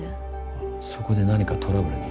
あっそこで何かトラブルに？